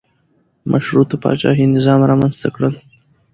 مشروطه پاچاهي نظام رامنځته کړل.